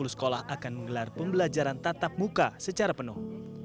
tiga ratus tiga puluh sekolah akan menggelar pembelajaran tatap muka secara penuh